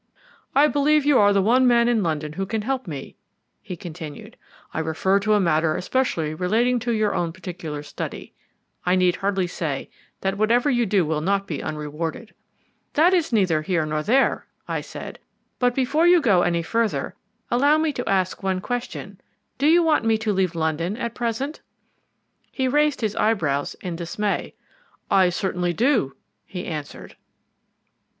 "I believe you are the one man in London who can help me," he continued. "I refer to a matter especially relating to your own particular study. I need hardly say that whatever you do will not be unrewarded." "That is neither here nor there," I said; "but before you go any further, allow me to ask one question. Do you want me to leave London at present?" He raised his eyebrows in dismay. "I certainly do," he answered.